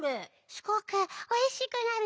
すごくおいしくなる。